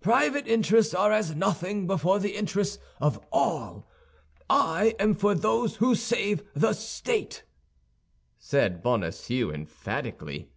"Private interests are as nothing before the interests of all. I am for those who save the state," said Bonacieux, emphatically.